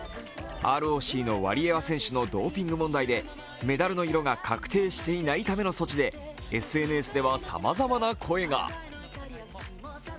ＲＯＣのワリエワ選手のドーピング問題でメダルの色が確定していないための措置で、ＳＮＳではさまざまな声が。